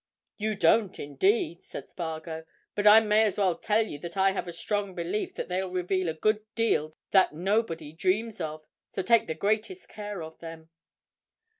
"You don't, indeed!" said Spargo. "But I may as well tell you that I have a strong belief that they'll reveal a good deal that nobody dreams of, so take the greatest care of them."